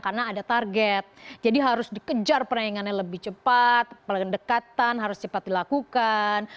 karena ada target jadi harus dikejar peraingannya lebih cepat pendekatan harus cepat dilakukan